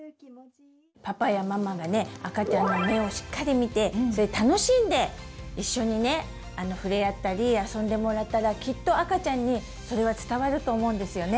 パパやママがね赤ちゃんの目をしっかり見て楽しんで一緒にねふれあったり遊んでもらったらきっと赤ちゃんにそれは伝わると思うんですよね！